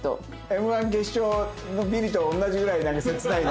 Ｍ−１決勝のビリと同じぐらいなんか切ないな。